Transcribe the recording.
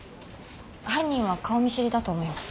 犯人は顔見知りだと思います。